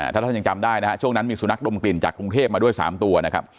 ถ้าท่านยังจำได้นะฮะช่วงนั้นมีสุนัขดมกลิ่นจากกรุงเทพมาด้วย๓ตัวนะครับ